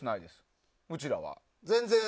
うちらは。